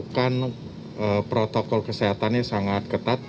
kami lakukan protokol kesehatannya sangat ketat